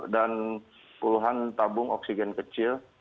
dan puluhan tabung oksigen kecil